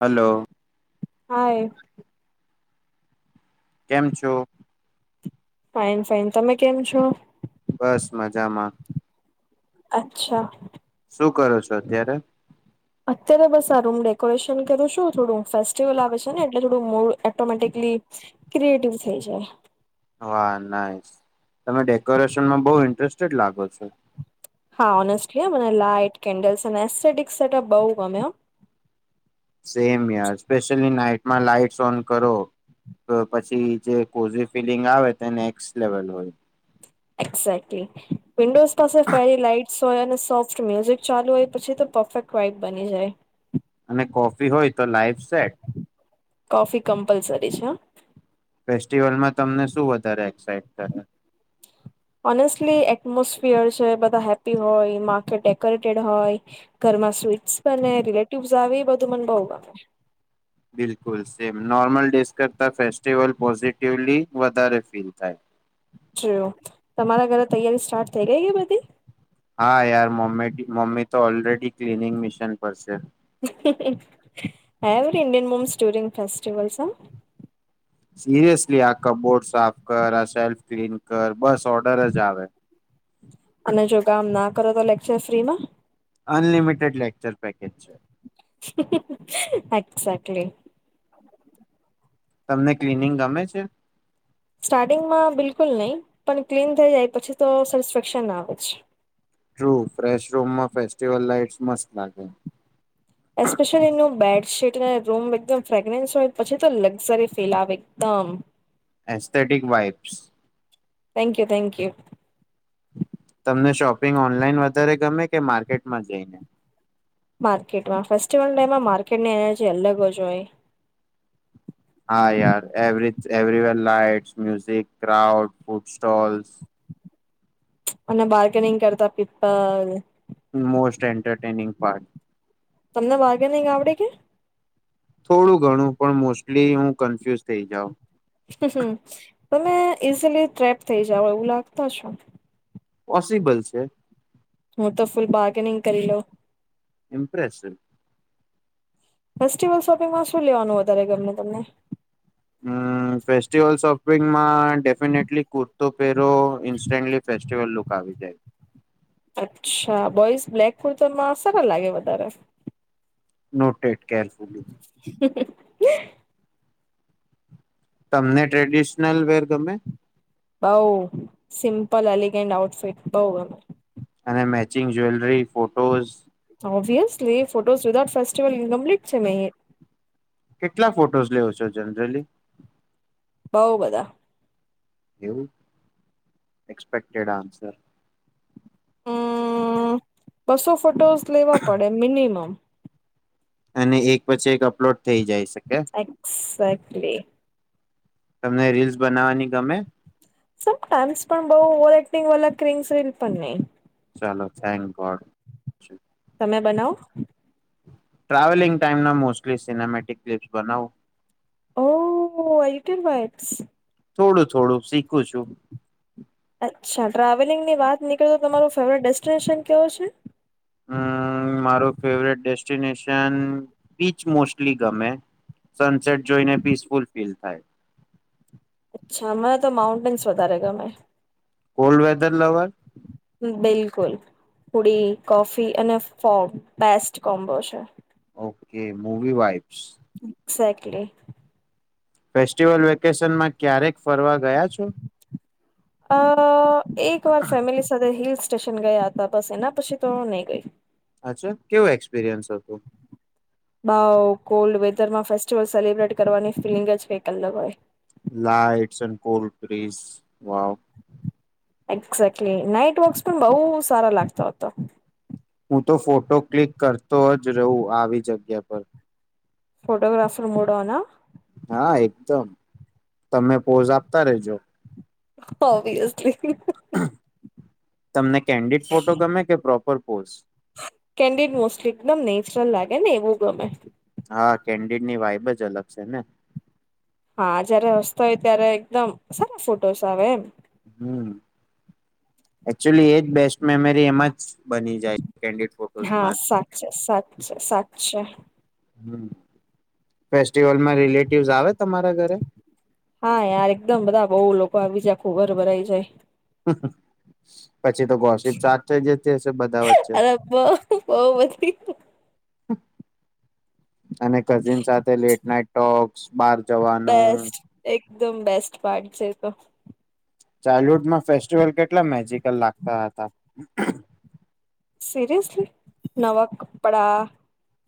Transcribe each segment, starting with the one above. Hello hi કેમ છો fine, fine, તમે કેમ છો? બસ મજામાં અચ્છા શું કરો છો અત્યારે અત્યારે બસ આ રૂમ ડેકોરેશન કરું છું થોડું ફેસ્ટિવલ આવે છે ને એટલે થોડું મુળ એટોમેટિકલી ક્રિએટિવ થઈ જાય. હા, નાઈસ તમે ડેકોરેશનમાં બહુ ઇન્ટરેસ્ટેડ લાગો છો હા, ઓનેસ્ટલી મને લાઈટ, કેન્ડલ્સ, અને સીડીગ સેટઅપ બહું ગમે હ સેમ યાર સ્પેશલી નાઇટ માં લાઈટસ ઓન કરો તો, પછી જે કોઝી ફિલિંગ આવે તે નેક્સ લેવલ હોય એકઝેકટલી વિન્ડોઝ પાસે ફેરી લાઈટસ હોય અને સોફ્ટ મ્યુઝિક ચાલુ હોય, પછી તો પરફેક્ટ વાઈબ બની જાય. અને કોફી હોય, તો લાઈફ સેટ. કોફી કમ્પલસરી છે હ. ફેસ્ટિવલમાં તમને શું વધારે એક્સાઈટ કરે. ઓનેસ્ટલી એટમોસફિયર છે, બધા હેપ્પી હોય માકે ડેકોરેટેડ હોય ઘરમાં સ રિલેેટીવસ આવે એ બધું મને બહુ ગમે. બિલકુલ સેમ નોર્મલ ડેઝ કરતાં ફેસ્ટિવલ પોઝિટિવલી વધારે ફીલ થાય. જ તમારા ઘરે તૈયારી સ્ટાર્ટ થઈ ગઈ કે બધી. હા યાર મમ્મી મમ્મી તો ઓલરેડી ક્લીનિંગ મિશીન પર છે. Every Indian mom story in festivals હ. સિરિયસલી આ કપબોર્ડ સાફ કર, આ સેલ્ફ ક્લીન કર, બસ ઓર્ડર જ આવે. અને જો કામ ના કરો તો લેક્ચર ફ્રીમાં. અનલિમિટેડ લેક્ચર પેકેજ છે. એકઝેકટલી. તમને ક્લીનિંગ ગમે છે. સ્ટાર્ટિંગમાં બિલકુલ નહીં પણ ક્લીન થઈ જાય, પછી તો સેટિસ્ફેક્શન આવે છે. ટ્રુ ફ્રેશ રૂમમાં ફેસ્ટિવલ લાઈટ્સ મસ્ત લાગે. સેટ ને રૂમ એકદમ ફ્રેગનેસ હોય પછી, તો લક્ઝરી ફિલ આવે એકદમ. Aesthetic vibes. Thank you thank you. તમને શોપિંગ ઓનલાઈન વધારે ગમે કે માર્કેટમાં જઈને. માર્કેટમાં ફેસ્ટિવલ ટાઇમમાં માર્કેટની એનર્જી અલગ જ હોય. હા યાર every everywhere lights, music, crowd, food stalls, અને બાર્ગેનિંગ કરતા પીપલ. Most entertaining part. તમને વાઘે નહીં આવ આવડે કે. થોડું ઘણું પણ મોસ્ટલી હું કન્ફ્યુઝ થઈ જાઉ. હ તમે ઈઝીલી ટ્રેપ થઇ જાઓ એવું લાગત છો. પોસિબલ છે. હું તો ફૂલ બાર્ગેનિંગ કરી લોઉ. ઇમપ્રેસિવ. ફેસ્ટિવલ શોપિંગમાં શું લેવાનું વધારે ગમે તમને. હમ ફસ્ટિવલ્સ ઓફ. સ્ંગમાં ડેફિનેટલી કુર્તો પહેરો ઇન્સ્ટન્ટલી ફેસ્ટિવલ લુક આવી જાય. અચ્છા બોઈસ બ્લેક ખુર્તનમાં સારા લાગે વધારે. નોટેડ. કેૅરફુલ્લી. તમને ટ્રેડિશનલ વેર ગમે. બઉ સિમ્પલ એલિગેન્ટ આઉટફિટ બઉ. અને matching jewellery photos. Obviously photo without festival incomplete છે મેં. કેટલા ફોટોઝ લેવો છો જનરલી. બવ બદા. હવ એક્સપેક્ટેડ આન્સર. હમ બસો ફોટોસ લેવા પડે મિનિમમ અને એક પછી એક અપલોડ થઈ જાય શકે એક્સાકલી તમને રીલ્સ બનાવવાની ગમે પણ ટમ્સ ફોમ બવ ઓવર એક્ટિંગ વાલા ક્રીમ ફિલ્મ પણ નહી ચાલો થેન્ક ગોડ તમે બનાવ ટ્રાવેલિંગ ટાઈમ ના મોસ્ટલી સિનેમેટિક ક્લિપ્સ બનાવું ઓ આઇટન વેબ્સ થોડું થોડું શીખું છું અચ્છા, ટ્રાવેલિંગ ની વાત નીકળે તો તમારું ફેવરેટ ડેસ્ટિનેશન કેવો છે હમ મારો ફેવરેટ ડેસ્ટિનેશન બીચ, મોસ્ટલી ગમે સનસેટ જોઈને પીસફુલ ફીલ થાય અચ્છા હ તો માઉન્ટેન્સ વધારે ગમેં કોલ્ડ વેધર લવર બિલકુલ પુડી, કોફી અને ફોમ, બેસ્ટ કોમ્બો છે okay movie vibe exactly festival વેકેશનમાં ક્યારેક ફરવા ગયા છો? હ અ એક વાર ફેમિલી સાથે હિલ્સ સ્ટેશન ગયા હતા બસ એના પછી તો નહી ગઈ અચ્છા કેવું એક્સપિરિયન્સ હતું. બાવ કોલ્ડ વેધર માં ફેસ્ટિવલ સેલિબ્રેટ કરવાની ફીલિંગ જ ક અલગ હોય. Lights and cold trees. Exactly night walks પણ બહુ સારા લાગતો હતો. હું તો ફોટો ક્લિક કરતો, જ રહું આવી જગ્યા પર. ફોટોગ્રાફર મૂડોન હા. હા એકદમ તમે પોઝ આપતા રેજો ઓબવિયસલી. [inaudible] તમને કેન્ડિટ ફોટો ગમે કે પ્રોપર પોઝ. કેન્ડિડ મોસ્ટલી એકદમ નેચરલ લાગે ને એવું ગમે. કેન્ડીડ ની વાઈબ જ અલગ છે ને. હા જયારે હસ્તો હોય ત્યારે એકદમ સારા ફોટોસ આવે એમ. હમ એકચુલી એજ બેસ્ટ મેમરી એમાં જ બની જાય છે કેન્ડિડ હા ફોટોઝમાં જ સાચ છે સાચ છે સાચ છે. ફેસ્ટીવલમાં રિલેટિવ્સ આવે તમારા ઘરે હા યાર એકદમ બધા બઉુ લોકો આવી જ આઘું ઘર ભરાય જાઈ. પછી તો ગોશિપ સ્ટાર્ટ થઈ જશે બધા વચ્ચે. અરે બઉ બઉ બધી [inaudible] અને કઝિન સાથે લેટ નાઈટ ટોક્સ બાર જવાનું. બેસ્ટ એકદમ બેસ્ટ પાર્ટ છે તો. ચાઇલ્ડહુડમાં ફેસ્ટિવલ કેટલા મેજિકલ લાગતા હતા. સિરિયસલી નવા કપડા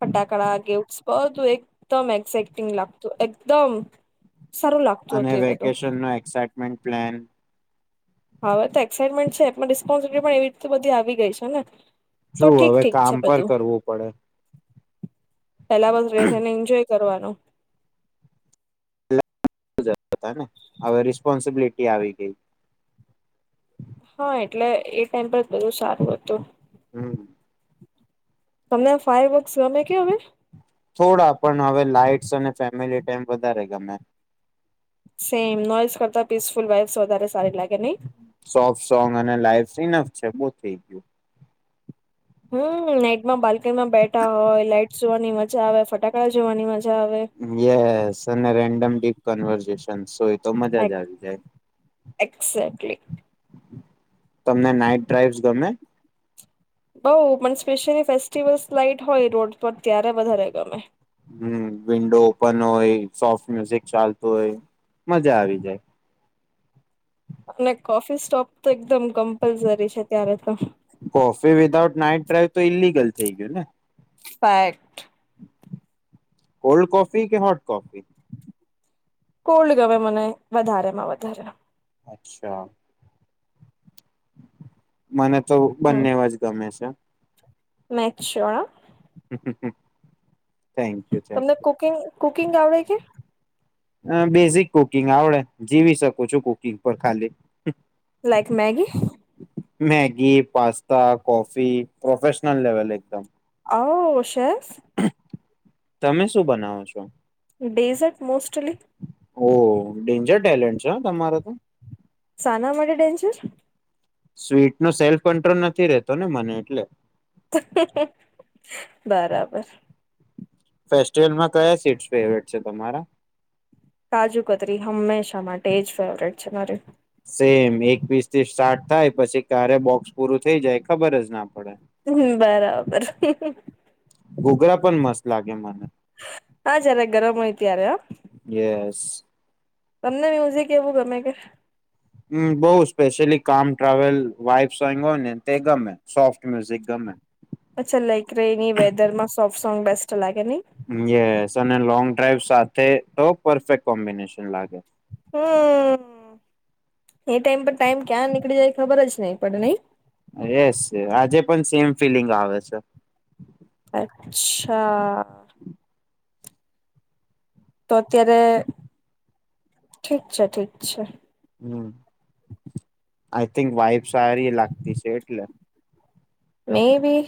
ફટાકડા ગિફ્ટ્સ બધું એકદમ એક્સઇટિંગ લાગતું એકદમ સારું લાગતું અને હતું એ બધું વેકેશન નો એક્ટમેન્ટ પ્લેન. હવે તો એક્સાઈટમેન્ટ છે એમાં રિસ્પોન્સિબટી પણ એવી રીતે બધી આવી ગઈ છે ને. તો શું ઠીક હવે ઠીક છે કામ પર બધું કરવું પડે. પેલા બસ ર રહે ને એન્જોય કરવાનું. હતા ને હવે રિસ્પોન્સિબિલિટી આવી ગઈ. હા એટલે એ ટાઈમ પર બધું સારું હતું. હમ. તમને ફાયર વક્સ ગમે કે હવે. થોડા પણ હવે લાઈટ્સ અને ફેમિલી ટાઈમ વધારે ગમે. સેમ નોઈસ કરતા પીસફુલ વાઇફ્સ વધારે સારી લાગે નહી સોફ્ટ સોંગ અને લાઈવ સિનફ છે બહ થઇ ગયું. હમ નાઈટમાં બાલ્કની માં બેઠા હોય લાઈટ્સ જોવાની મજા આવે, ફટાકડા જોવાની મજા આવે યસ, અને રેન્ડમ ક્લિક કન્વર્સેશન. તનસો એક. એક એક્ઝેટલી! તમને નાઈટ ડ્રાઈવસ ગમે? બઉ, પણ સ્પેશયલી ફેસ્ટિવલ્સ લાઈટ હોય રોડ પર ત્યારે બધા રય ગમે. હમ, વિન્ડો ઓપન હોય, સોફ્ટ મ્યુઝિક ચાલતું હોય, મજા આવી જાય. અને કોફી સ્ટોપ તો એકદમ કમ્પલસરી છે, ત્યારે પણ. કોફી વિધાઉટ નાઈટ ડ્રાઈવ તો ઈલિગલ થઈ ગયુંને. ફાઈટ કોલ્ડ કોફી કે હોટ કોફી? કોલ્ડ ગમે મને વધારે માં વધારે. અચ્છા. મને તો બંનેવ જ ગમે છે. મેચોળા હમ્મ, તમને કુકિંગ કુકિંગ આવડે કે? અ બેઝિક કુકિંગ આવડે. જીવી શકું છું. કુકિંગ પર ખાલી. Like Maggi? Maggi, pasta, coffee professional level એકદમ. ઓસ ઠસ. તમે શું બનાવો છો? Dessert mostly. ઓ ડેન્જર ટેલેન્ટ છે, તમારે તો. શાના માટે ટેન્શન? સ્વીટનો સેલ્ફ કંટ્રોલ નથી રહેતોને, મને એટલે. બરાબર. ફેસ્ટિવલમાં કયા સ્વીટ ફેવરેટ છે, તમારા? કાજુ કતરી હંમેશા માટે જ ફેવરેટ છે, મારી. સેમ એક પીસ થી સાઠ થાય. પછી, ક્યારે બોક્સ પૂરું થઈ જાય ખબર જ ના પડે હમ્મ, બરાબર. [unintelligible] ઘૂઘરા પણ મસ્ત લાગે મને. હા, જરા ગરમ હોય ત્યારે, હ. સ તમને મ્યુઝિક એવું ગમે કે? હમ્મ, બઉ સ્પેશ્યયલી કામ ટ્રાવેલ વાઈબસ. કઈ મને તે ગમે સોફ્ટ. મ્યુઝિક ગમે. અચ્છા લાઈક રેની વેધરમાં સોફ્ટ સોંગ બેસ્ટ લાગે નહી હમ્મ, એેસ. લોંગ ડ્રાઈવ સાથે તો પરફેક્ટ કોમ્બિનેશન લાગે. હમ્મ, એ ટાઈમ પર ટાઈમ ક્યાં નીકળી જાય ખબર જ નહી પડે નહી. યસ આજે પણ સેમ ફિલિંગ આવે છે. અચ્છા. તો અત્યારે ઠીક છે ઠીક છે. હમ આઈ થિંક વાઈફ સારી લાગતી છે. એટલે મે બી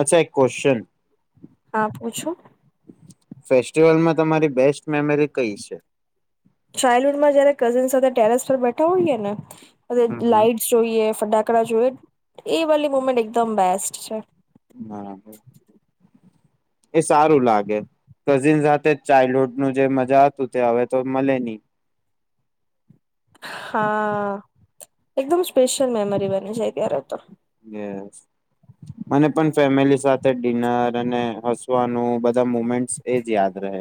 અચ્છા એક કો્ેશ્ચન? હા પૂછો. ફેસ્ટિવલમાં તમારી બેસ્ટ મેમરી કઈ છે. ચાઇલ્ડહુડમાં જયારે કઝિન સાથે ટેરેસ પર બેઠા હોઈએ ને હમ હમ લાઈટસ જોઈએ ફટાક જોઈ એ વલી મુમેન્ટ એકદમ બેસ્ટ છે. હા એ સારું લાગે કઝિન સાથે ચાઇલ્ડહુડ નું જે મજા હતું તે હવે તો મળે નહી. હા એકદમ સ્પેશિયલ મેમરી બને છે, અ ત્યારે તો. મને પણ ફેમિલી સાથે ડિનર અને હસવાનું મુમેન્ટ એ જ યાદ રહે.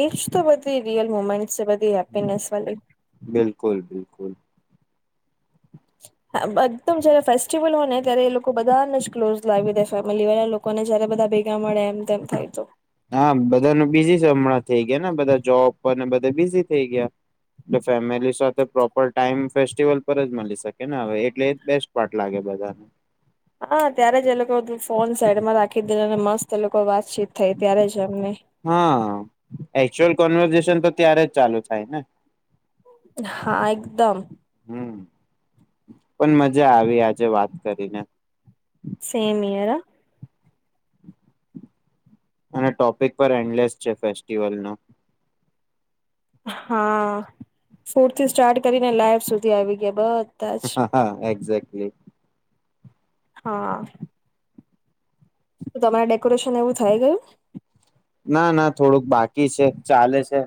એજ તો બધી રિયલ મુમેન્ટ છે બધી હેપીનેસ વા. બિલકુલ બિલકુલ. હ એકદમ જયારે ફેસ્ટિવલ હોય. ને ત્યારે એ લોકો બધાને જ ક્લોઝ લાવી દે ફેમિલી વાળા લોકોને જયારે બધા. ભેગા મળે એમ તેમ થાય તો હા બધાનું બીજી છે. હમણાં થઈ ગયાને બધા જોબ પરને બધ બીઝી થઈ ગયા. એ ફેમિલી સાથે પ્રોપર ટાઈમ ફેસ્ટિવલ પર જ મળી શકે. ને હવે એટલે એ બેસ્ટ પાર્ટ લાગે બધાને. હા ત્યારે જ એ લોકો ફોન સાઈડમાં રાખી દેવાનો અને મસ્ત લોકો વા હા એકચ્યુઅલ કનવર્સેશન તો ત્યારે જ ચાલુ થાય ને. હા એકદમ! હમ પણ મજા આવી આજે વાત કરીને. સેમ હિયર હ! અને ટોપિક પર એન્ડલેસ છે ફેસ્ટિવલનો. હા ફૂરથી સ્ટાર્ટ કરીને લાઈવ સુધી આવી ગયા બસ. હા હા એક્ઝાક્ટલી. હા! તો તમારે ડેકોરેશન એવું થઈ ગયું. ના ના થોડુંક બાકી છે, ચાલે છે,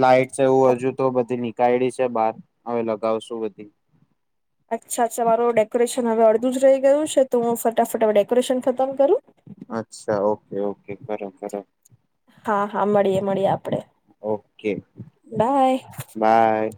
લાઈટ. વું હજુ તો બધી નીક ગાયડી છે બાર હવે લગાવશું બધી. અચ્છા મારું ડેકોરેશન હવે અડધું જ રહી ગયું છે. તો હું ફટાફટ હવે ડેકોરેશન ખતમ કરું. અચ્છા ઓકે ઓકે કરો ‌કરો. હાં હાં મળીએ મળીએ આપણે ઓકે બાય.